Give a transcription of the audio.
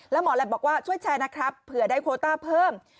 แล้วหมอแหลปบอกว่าช่วยแชร์นะครับเผื่อได้โคต้าเพิ่ม